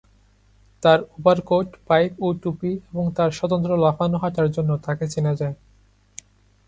তার overcoat, pipe ও টুপি এবং তার স্বতন্ত্র লাফানো হাঁটার জন্য তাকে চেনা যায়।